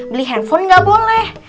beli handphone nggak boleh